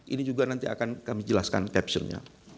ini juga nanti akan kami jelaskan captionnya